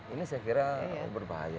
ini saya kira berbahaya